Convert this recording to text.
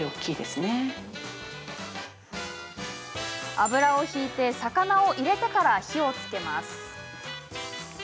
油を引いて魚を入れてから火をつけます。